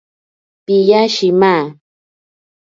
Piya shima.